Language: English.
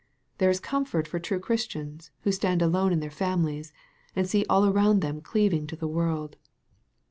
There is comfort for true Christians who stand alone in their families, and see all around them cleaving to the world.